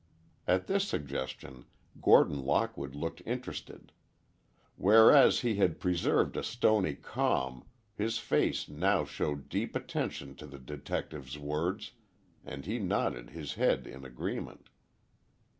At this suggestion, Gordon Lockwood looked interested. Whereas he had preserved a stony calm, his face now showed deep attention to the detective's words and he nodded his head in agreement.